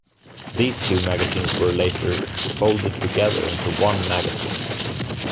These two magazines were later folded together into one magazine.